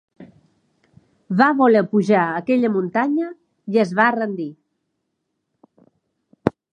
Va voler pujar aquella muntanya i es va rendir.